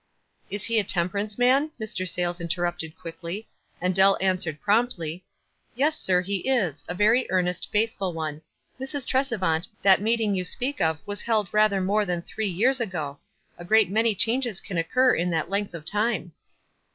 " Is he a temperance man ?" Mr. Sayles in terrupted, quickly; and Dell answered prompt iy. "Yes, sir, he is — a very earnest, faithful one. Mrs. Tresevant, that meeting you speak of was held rather more than three years ago ; a great many changes can occur in that length of time."